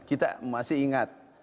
kita masih ingat